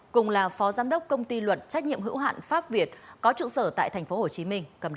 cùng là phó giám đốc công ty luật trách nhiệm hữu hạn pháp việt có trụ sở tại tp hcm cầm đầu